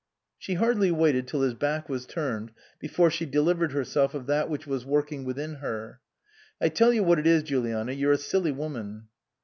She hardly waited till his back was turned before she delivered herself of that which was working within her. " I tell you what it is, Juliana ; you're a silly woman."